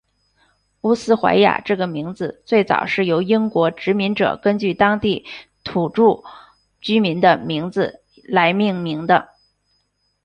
乌斯怀亚这个名字最早是由英国殖民者根据当地土着居民的名字来命名的。